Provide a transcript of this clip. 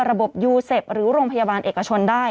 ระบบยูเซฟหรือโรงพยาบาลเอกชนได้